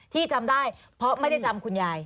จำได้เพราะไม่ได้จำคุณยาย